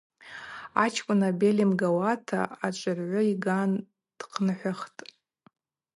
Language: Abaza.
Ачкӏвын абель йымгауата, ачвыргьвы йган дхъынхӏвыхтӏ.